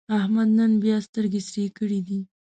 احمد نن بیا سترګې سرې کړې دي.